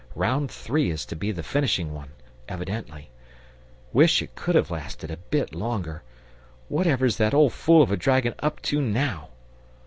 "Round Three is to be the finishing one, evidently. Wish it could have lasted a bit longer. Whatever's that old fool of a dragon up to now?"